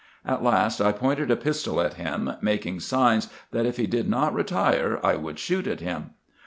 At last I pointed a pistol at him, making signs, that, if he did not retire, I would shoot at him.